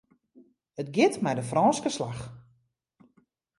It giet mei de Frânske slach.